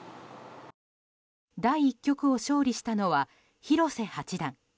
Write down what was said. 第１局を勝利したのは広瀬八段。